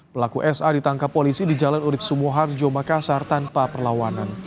pelaku sa ditangkap polisi di jalan urib sumoharjo makassar tanpa perlawanan